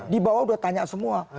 di bawah udah tanya semua